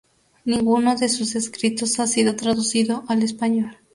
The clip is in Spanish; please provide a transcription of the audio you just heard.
Ninguno de sus escritos ha sido traducido al español.